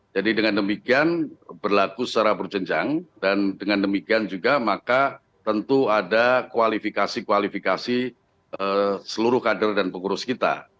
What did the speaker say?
jadi dengan demikian berlaku secara berjenjang dan dengan demikian juga maka tentu ada kualifikasi kualifikasi seluruh kader dan pengurus kita